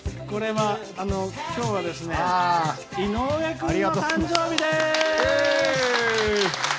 今日は井上君の誕生日です！